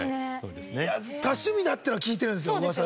多趣味だっていうのは聞いてるんですようわさで。